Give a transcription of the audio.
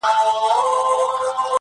علم د انسان لار روښانوي.